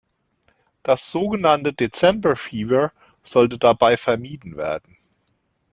Das so genannte December fever sollte dabei vermieden werden.